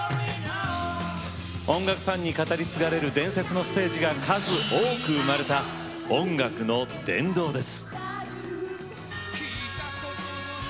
音楽ファンに語り継がれる伝説のステージが数多く生まれた伝説の音楽堂です。